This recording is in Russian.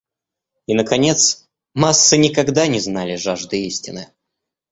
И наконец: массы никогда не знали жажды истины.